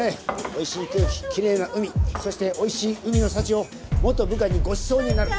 おいしい空気奇麗な海そしておいしい海の幸を元部下にごちそうになる。